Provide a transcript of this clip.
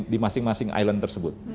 di masing masing island tersebut